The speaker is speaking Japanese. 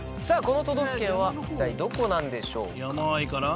さぁこの都道府県は一体どこなんでしょうか？